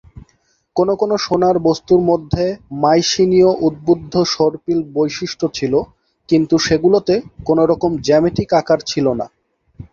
কোন কোন সোনার বস্তুর মধ্যে মাইসিনীয় উদ্ভূত সর্পিল বৈশিষ্ট্য ছিল, কিন্তু সেগুলোতে কোনরকম জ্যামিতিক আকার ছিল না।